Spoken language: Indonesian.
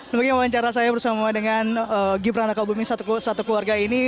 mungkin wawancara bersama mbak selvi dengan gibran akal umumnya satu keluarga ini